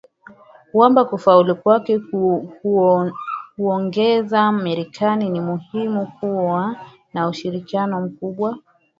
wamba kufaulu kwake kuongoza marekani ni muhimu kuwa na ushirikiano mkubwa